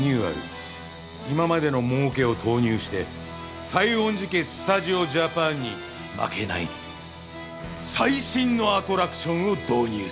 今までのもうけを投入して西園寺家スタジオジャパンに負けない最新のアトラクションを導入する。